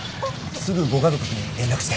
すぐご家族に連絡して。